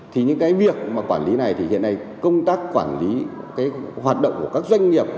thì những cái việc mà quản lý này thì hiện nay công tác quản lý cái hoạt động của các doanh nghiệp